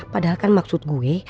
padahal kan maksud gue